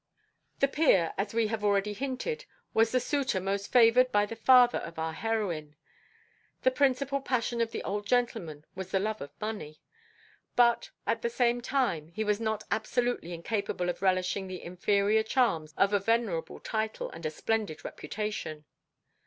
The peer, as we have already hinted, was the suitor most favoured by the father of our heroine. The principal passion of the old gentleman was the love of money. But at the same time he was not absolutely incapable of relishing the inferior charms of a venerable title and a splendid reputation.